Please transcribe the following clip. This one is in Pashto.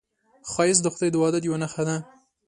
ښایست د خدای د وحدت یوه نښه ده